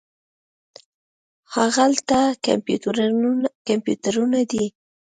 هاغلته کمپیوټرونه دي.